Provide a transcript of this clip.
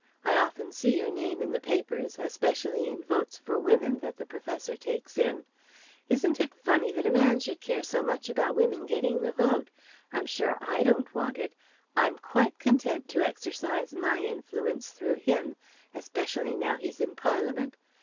I often see your name in the papers, especially in Votes for Women that the Professor takes in. Isn't it funny that a man should care so much about women getting the vote? I'm sure I don't want it. I'm quite content to exercise my influence through him, especially now he's in Parliament.